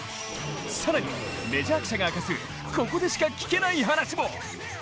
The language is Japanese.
更に、メジャー記者が明かすここでしか聞けない話も。